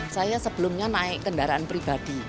saya sebelumnya naik kendaraan pribadi